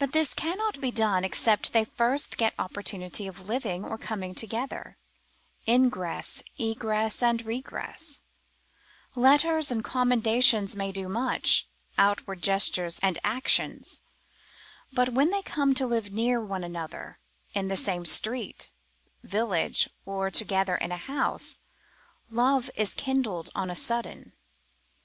But this cannot be done except they first get opportunity of living, or coming together, ingress, egress, and regress; letters and commendations may do much, outward gestures and actions: but when they come to live near one another, in the same street, village, or together in a house, love is kindled on a sudden.